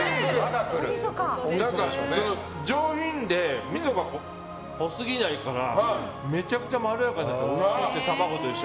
何か、上品でみそが濃すぎないからめちゃめちゃまろやかになっておいしい。